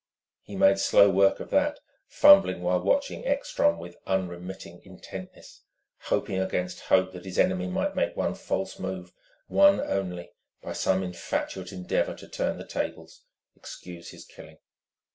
He made slow work of that, fumbling while watching Ekstrom with unremitting intentness, hoping against hope that his enemy might make one false move, one only, by some infatuate endeavour to turn the tables excuse his killing.